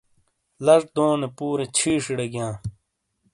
لَچ دونے پُورے چھِیشِیٹے گِیاں۔